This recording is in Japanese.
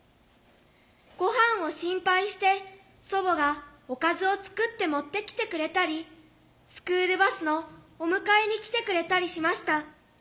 ごはんを心配して祖母がおかずを作って持ってきてくれたりスクールバスのお迎えに来てくれたりしました。